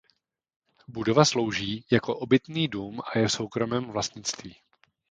Budova slouží jako obytný dům a je v soukromém vlastnictví.